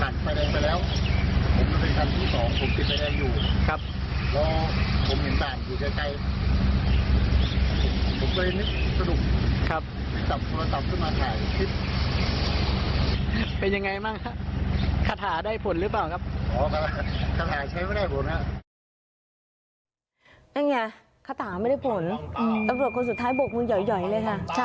นั่นไงคาถาไม่ได้ผลตำรวจคนสุดท้ายโบกมือหย่อยเลยค่ะ